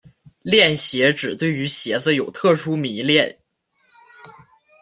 恋鞋指对于鞋子有特殊迷恋。